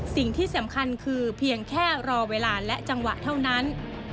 สิ่งที่สำคัญคือเพียงแค่รอเวลาและจังหวะเท่านั้น